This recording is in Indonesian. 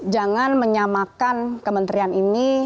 jangan menyamakan kementerian ini